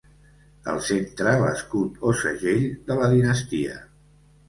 Al centre l'escut o segell de la dinastia.